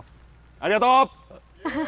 ありがとう！